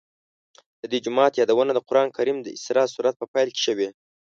د دې جومات یادونه د قرآن کریم د اسراء سورت په پیل کې شوې.